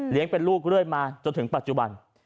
เป็นลูกเรื่อยมาจนถึงปัจจุบัน